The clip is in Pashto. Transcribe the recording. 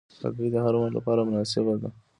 هګۍ د هر عمر لپاره مناسبه ده.